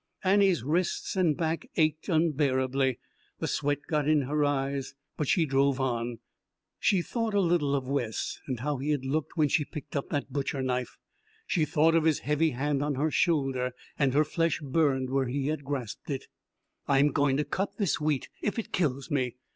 Annie's wrists and back ached unbearably, the sweat got in her eyes, but she drove on. She thought a little of Wes, and how he had looked when she picked up that butcher knife. She thought of his heavy hand on her shoulder, and her flesh burned where he had grasped it. "I'm going to cut this wheat if it kills me."